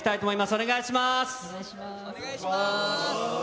お願いします。